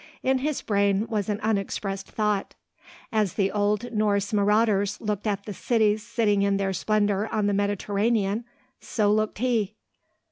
In his brain was an unexpressed thought. As the old Norse marauders looked at the cities sitting in their splendour on the Mediterranean so looked he.